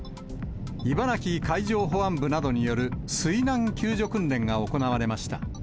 茨城海上保安部などによる、水難救助訓練が行われました。